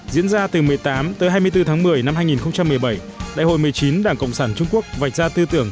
diễn ra từ một mươi tám tới hai mươi bốn tháng một mươi năm hai nghìn một mươi bảy đại hội một mươi chín đảng cộng sản trung quốc vạch ra tư tưởng